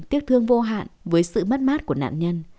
tiếc thương vô hạn với sự mất mát của nạn nhân